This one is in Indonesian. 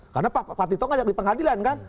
karena pak tito ngajak di pengadilan kan